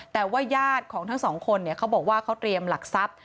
แต่ว่าญาติของทั้งสองคนเขาบอกว่าเขาเตรียมหลักทรัพย์